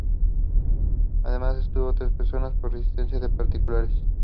Además detuvo a tres personas por resistencia de particulares.